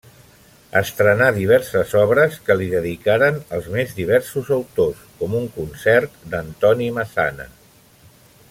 Estrenà diverses obres que li dedicaren els més diversos autors, com un concert d'Antoni Massana.